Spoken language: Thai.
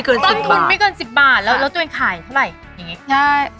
คือต้นทุนไม่เกิน๑๐บาทแล้วตัวเองขายเท่าไหร่อย่างนี้